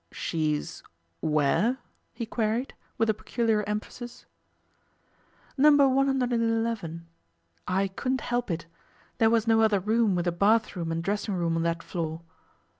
'She's where?' he queried, with a peculiar emphasis. 'No. 111. I couldn't help it. There was no other room with a bathroom and dressing room on that floor.